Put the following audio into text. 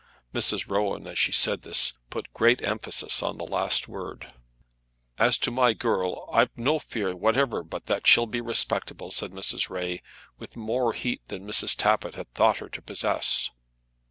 Mrs. Rowan, as she said this, put great emphasis on the last word. "As to my girl, I've no fear whatever but what she'll be respectable," said Mrs. Ray, with more heat than Mrs. Tappitt had thought her to possess.